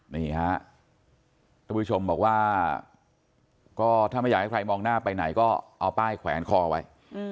นี่ฮะท่านผู้ชมบอกว่าก็ถ้าไม่อยากให้ใครมองหน้าไปไหนก็เอาป้ายแขวนคอไว้